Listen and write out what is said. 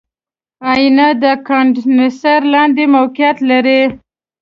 آئینه د کاندنسر لاندې موقعیت لري.